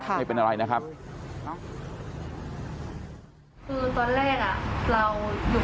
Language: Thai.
พวกคล้องเด็กถึงเวลากลับพอดีพวกคล้องก็มารับตัวเด็ก